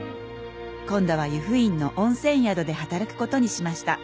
「今度は湯布院の温泉宿で働くことにしました」